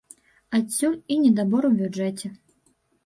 Адсюль і недабор у бюджэце.